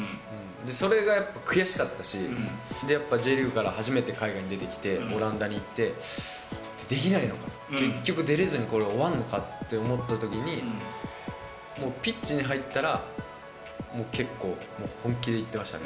それがやっぱ悔しかったし、やっぱＪリーグから初めて海外に出てきて、オランダに行って、できないのかと、結局、出れずにこれ、終わるのかって思ったときに、もうピッチに入ったら、もう結構、本気でいってましたね。